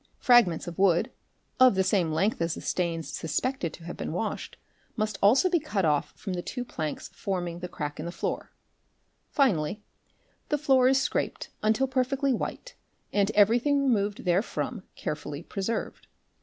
Fragments of wood, of the same length as the stains suspected to have been washed, must also be cut off _ from the two planks forming the crack in the floor; finally the floor is ' scraped until perfectly white and everything removed therefrom carefully | preserved.